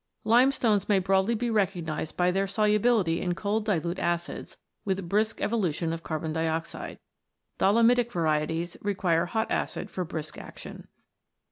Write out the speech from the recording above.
Limestones may broadly be recognised by their solubility in cold dilute acids, with brisk evolution of carbon dioxide. Dolomitic varieties require hot acid for brisk action.